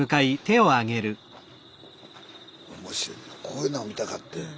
こういうのが見たかってん。